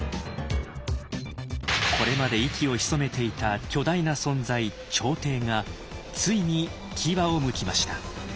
これまで息を潜めていた巨大な存在朝廷がついに牙をむきました。